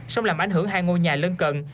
xong làm ảnh hưởng hai ngôi nhà lân cận